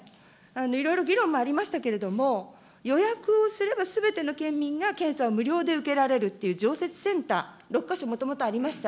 いろいろ議論もありましたけれども、予約をすればすべての県民が検査を無料で受けられるっていう常設センター、６か所もともとありました。